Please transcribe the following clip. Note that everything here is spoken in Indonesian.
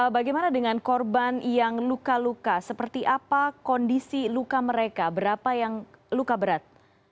bagaimana dengan korban yang luka luka seperti apa kondisi luka mereka berapa yang luka berat